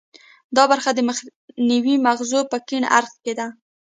دا برخه د مخنیو مغزو په کیڼ اړخ کې ده